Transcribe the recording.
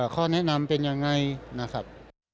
ข้อแนะนำเป็นยังไงนะครับ